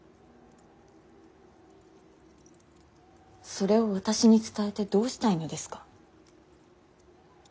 それを私に伝えてどうしたいのですか。